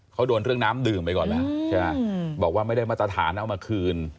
เขาโดนเรื่องน้ำดื่มไปก่อนแล้วใช่ไหมบอกว่าไม่ได้มาตรฐานเอามาคืน